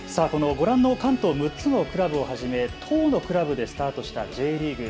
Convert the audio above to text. このご覧の関東６つのクラブをはじめ１０のクラブでスタートしたＪリーグ。